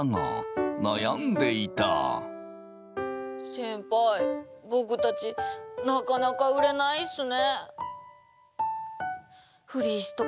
先輩僕たちなかなか売れないっすね。